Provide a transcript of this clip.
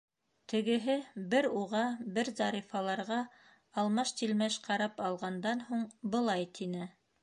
Тегеһе бер уға, бер Зарифаларға алмаш-тилмәш ҡарап алғандан һуң былай тине: